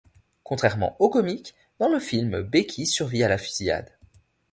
Contrairement au comic, dans le film Becky survit à la fusillade.